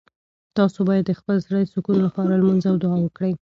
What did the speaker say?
تاسو باید د خپل زړه د سکون لپاره لمونځ او دعا وکړئ.